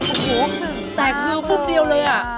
โอ้โหแตกรือฟุ่มเดียวเลย